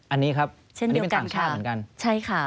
อันนี้ครับอันนี้เป็นต่างชาติเหมือนกันยังเฉินเดียวกันค่ะ